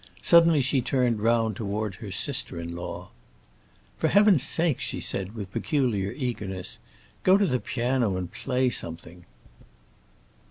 Suddenly she turned round toward her sister in law. "For Heaven's sake," she said, with peculiar eagerness, "go to the piano and play something."